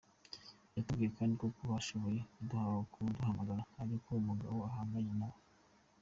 Yatubwiye kandi ko kuba ashoboye kuduhamagara ari uko umugabo ahanganye nabo.